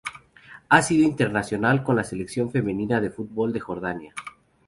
Ha sido internacional con la selección femenina de fútbol de Jordania.